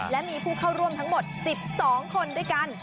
และมีผู้เข้าร่วมทั้งหมด๑๒คนด้วยกัน